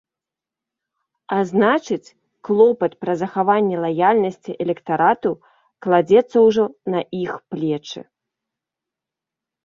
А значыць, клопат пра захаванне лаяльнасці электарату кладзецца ўжо на іх плечы.